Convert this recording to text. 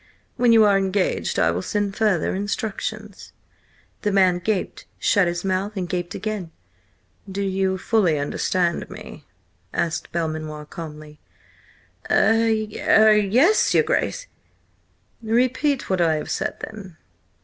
When you are engaged I will send further instructions." The man gaped, shut his mouth, and gaped again. "Do you fully understand me?" asked Belmanoir calmly. "Er–er–yes, your Grace!" "Repeat what I have said, then."